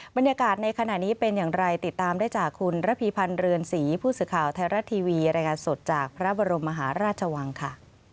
บรรยากาศในขณะนี้เป็นอย่างไรติดตามได้จากคุณระพีพันธ์เรือนศรีผู้สื่อข่าวไทยรัฐทีวีรายงานสดจากพระบรมมหาราชวังค่ะ